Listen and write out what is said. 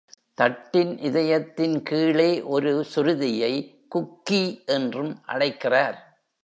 தட்டின் இதயத்தின் கீழே ஒரு சுருதியை "குக்கீ" என்றும் அழைக்கிறார்.